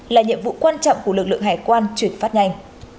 là nhiệm vụ quan trọng của lực lượng hải quan chuyển phát nhanh